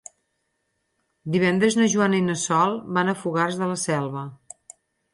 Divendres na Joana i na Sol van a Fogars de la Selva.